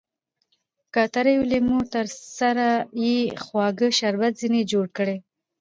که تريو لېمو درسره يي؛ خواږه شربت ځني جوړ کړئ!